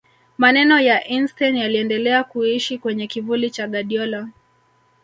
maneno ya einstein yaliendelea kuishi kwenye kivuli cha guardiola